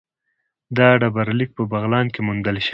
دا ډبرلیک په بغلان کې موندل شوی